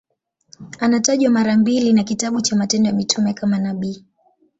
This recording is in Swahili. Anatajwa mara mbili na kitabu cha Matendo ya Mitume kama nabii.